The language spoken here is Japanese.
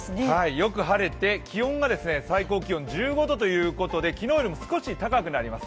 よく晴れて最高気温１５度とょで、昨日より少し高くなります。